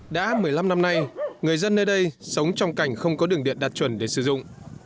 đã một mươi năm năm nay người dân nơi đây sống trong cảnh không có đường điện đạt chuẩn để sử dụng